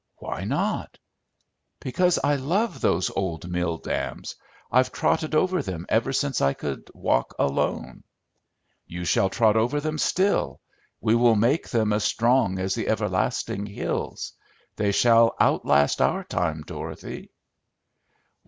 "Why not?" "Because I love those old mill dams. I've trotted over them ever since I could walk alone." "You shall trot over them still. We will make them as strong as the everlasting hills. They shall outlast our time, Dorothy."